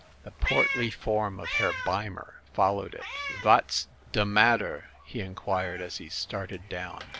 The portly form of Herr Beimer followed it. "Vat's de madder ?" he inquired, as he started down.